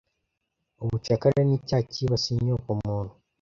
Ubucakara nicyaha cyibasiye inyokomuntu.